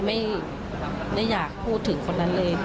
ไม่ได้อยากพูดถึงคนนั้นเลย